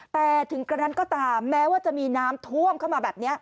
แต่ถึงกระนั้นก็ตามแม้ว่าจะมีน้ำท่วมเข้ามาแบบนี้